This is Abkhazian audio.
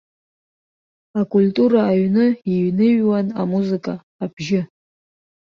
Акультура аҩны иҩныҩуан амузыка абжьы.